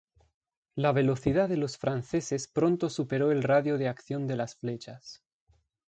La velocidad de los franceses pronto superó el radio de acción de las flechas.